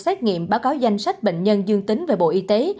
các labo xét nghiệm báo cáo danh sách bệnh nhân đương tính về bộ y tế